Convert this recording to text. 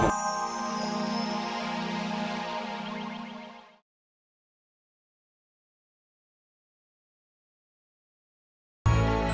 jika aku telah men